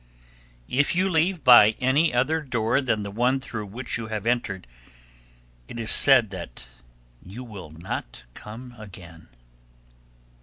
_ 1284. If you leave by any other door than the one through which you have entered, it is said that you will not come again.